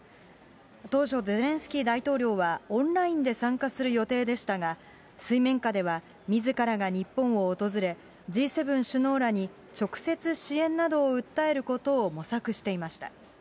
当初、ゼレンスキー大統領はオンラインで参加する予定でしたが、水面下ではみずからが日本を訪れ、Ｇ７首脳らに直接支援などを訴えることを模索していました。